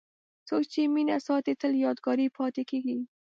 څوک چې مینه ساتي، تل یادګاري پاتې کېږي.